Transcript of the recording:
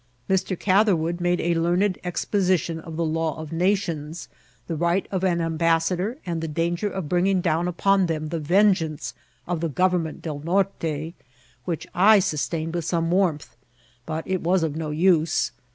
Mr. Catherwood made a learned exposition of the law of nations, the right of an ambas sador, and the danger of bringing down upon them the vengeance of the government del Norte, which I sus tained with some warmth^ but it was of no use.